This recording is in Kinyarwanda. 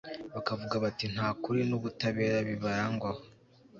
bakavuga bati nta kuri n'ubutabera bibarangwaho